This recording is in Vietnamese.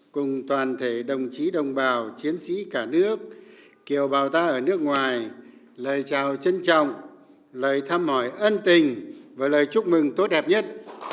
cùng toàn thể đồng chí đồng bào chiến sĩ cả nước kiều bào ta ở nước ngoài lời chào trân trọng lời thăm hỏi ân tình và lời chúc mừng tốt đẹp nhất